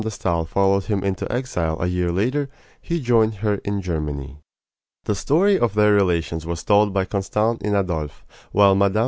de Stael followed him into exile a year later he joined her in Germany. The story of their relations was told by Constant in Adolphe, while Mme.